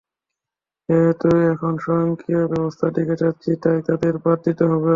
যেহেতু এখন স্বয়ংক্রিয় ব্যবস্থার দিকে যাচ্ছি, তাই তাঁদের বাদ দিতেই হবে।